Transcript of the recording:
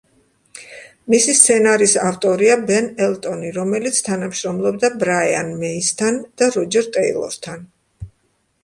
მისი სცენარის ავტორია ბენ ელტონი, რომელიც თანამშრომლობდა ბრაიან მეისთან და როჯერ ტეილორთან.